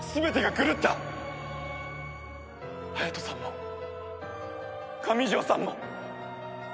隼人さんも上條さんも賢人も！